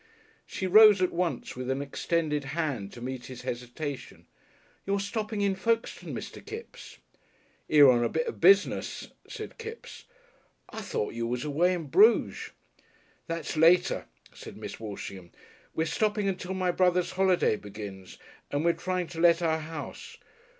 She rose at once with an extended hand to meet his hesitation. "You're stopping in Folkestone, Mr. Kipps?" "'Ere on a bit of business," said Kipps. "I thought you was away in Bruges." "That's later," said Miss Walshingham. "We're stopping until my brother's holiday begins and we're trying to let our house.